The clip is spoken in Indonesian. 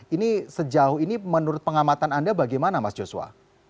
ini sejauh ini menurut pengamatan anda bagaimana mas joshua